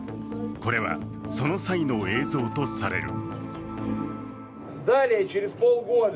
これは、その際の映像とされる。